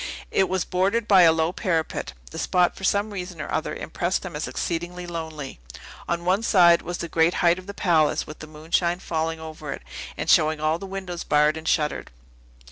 It was bordered by a low parapet. The spot, for some reason or other, impressed them as exceedingly lonely. On one side was the great height of the palace, with the moonshine falling over it, and showing all the windows barred and shuttered.